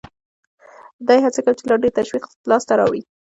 دی هڅه کوي چې لا ډېر تشویق لاس ته راوړي